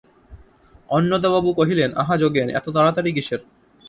অন্নদাবাবু কহিলেন, আহা যোগেন, এত তাড়াতাড়ি কিসের?